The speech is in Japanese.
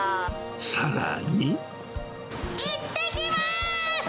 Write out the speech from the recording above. さらに。